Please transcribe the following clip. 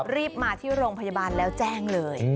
รีบมาที่โรงพยาบาลแล้วแจ้งเลย